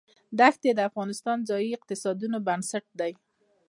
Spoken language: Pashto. دښتې د افغانستان د ځایي اقتصادونو بنسټ دی.